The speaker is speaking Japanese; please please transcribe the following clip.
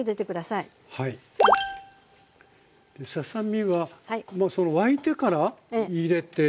ささ身はもう沸いてから入れてゆでる。